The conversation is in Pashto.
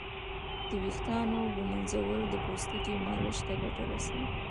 د ویښتانو ږمنځول د پوستکي مالش ته ګټه رسوي.